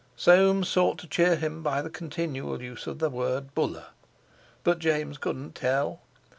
Soames sought to cheer him by the continual use of the word Buller. But James couldn't tell!